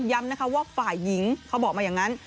ย้ำนะคะว่าฝ่ายหญิงเขาบอกมาอย่างนั้น